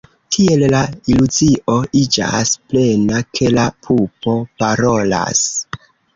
Tiel la iluzio iĝas plena, ke la pupo parolas.